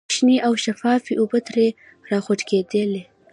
شنې او شفافې اوبه ترې را خوټکېدلې.